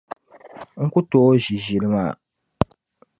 N ku tooi ʒi ʒili maa.